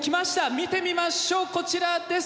見てみましょうこちらです！